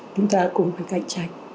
chúng ta cũng phải cạnh tranh